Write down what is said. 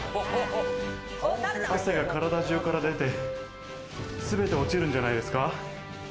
汗が体中から出て、全て落ちるんじゃないですか？